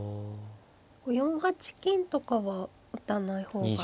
４八金とかは打たない方が。